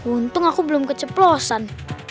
untung aku belum keceplosan